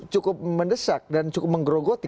cukup mendesak dan cukup menggerogoti